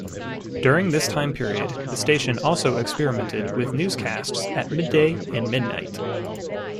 During this time period, the station also experimented with newscasts at midday and midnight.